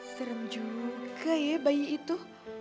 serem juga ya bayi itu